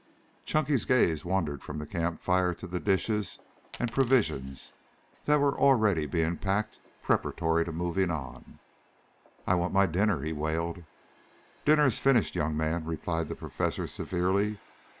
Chunky's gaze wandered from the camp fire to the dishes and provisions that already were being packed preparatory to moving on. "I want my dinner," he wailed. "Dinner is finished, young man," replied the professor severely.